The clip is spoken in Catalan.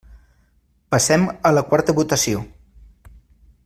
Passem a la quarta votació.